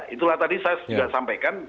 itulah tadi saya sudah sampaikan